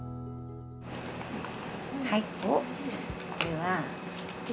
はい。